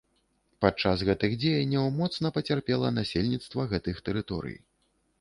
Падчас гэтых дзеянняў моцна пацярпела насельніцтва гэтых тэрыторый.